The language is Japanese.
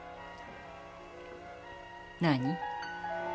何？